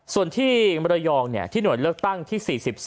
ส่วนที่มรยองที่หน่วยเลือกตั้งที่๔๒